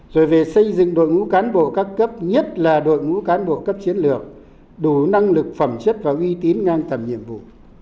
rồi về xây dựng đội ngũ cán bộ các cấp nhất là đội ngũ cán bộ cấp chiến lược đủ năng lực phẩm chất và uy tín ngang tầm nhiệm vụ